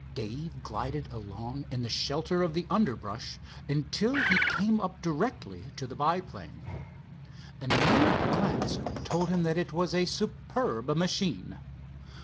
Dave glided along in the shelter of the underbrush until he came up directly to the monoplane. A near glance told him that it was a superb machine.